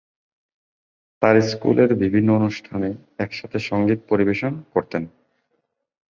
তার স্কুলের বিভিন্ন অনুষ্ঠানে একসাথে সঙ্গীত পরিবেশন করতেন।